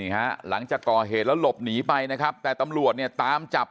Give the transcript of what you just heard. หลังจากก่อเหตุแล้วหลบหนีไปนะครับแต่ตำรวจเนี่ยตามจับ